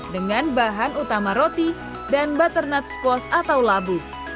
dengan bahan utama roti dan butternut squash atau labu